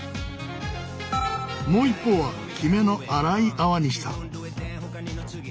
もう一方はきめの粗い泡にした。